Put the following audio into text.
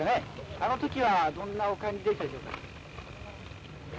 あのときはどんなお感じでしたでしょうか。